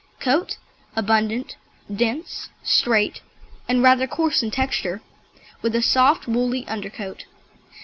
COAT Abundant, dense, straight, and rather coarse in texture, with a soft woolly undercoat.